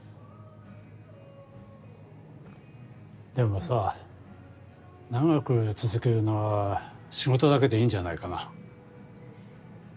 でもさ長く続けるのは仕事だけでいいんじゃないかな？